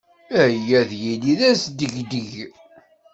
Aya ad yili d asdegdeg.